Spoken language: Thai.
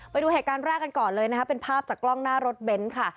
ไปดูเหตุการณ์แรกกันก่อนเลยนะคะเป็นภาพจากกล้องหน้ารถเบนท์ค่ะ